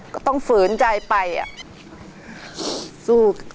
ก็ต้องฝืนใจไปอะ